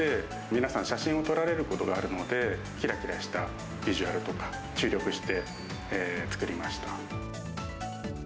皆さん、写真を撮られることがあるので、きらきらしたビジュアルとか、注力して作りました。